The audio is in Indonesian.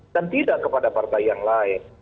dan tidak kepada partai yang lain